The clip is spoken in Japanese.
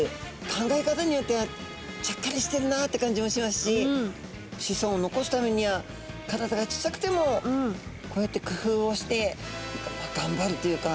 考え方によってはちゃっかりしてるなって感じもしますし子孫を残すためには体が小さくてもこうやってくふうをしてがんばるというか。